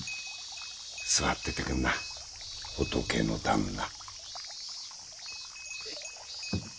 座っててくんな仏の旦那。